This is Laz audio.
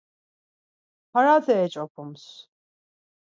Parate eç̌opums